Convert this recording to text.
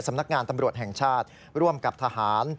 สำนักงานตำรวจแห่งชาติร่วมกับทหาร